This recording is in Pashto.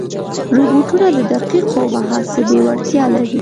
روبوټونه د دقیقو محاسبې وړتیا لري.